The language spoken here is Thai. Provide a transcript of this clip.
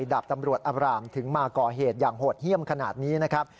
ดาบตำรวจอับรามถึงมาก่อเหตุอย่างโหดเยี่ยมขนาดนี้นะครับ